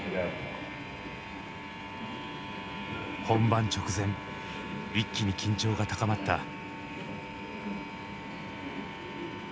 本番直前一気に緊張が高まった。